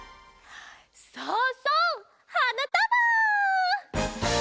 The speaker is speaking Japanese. そうそうはなたば！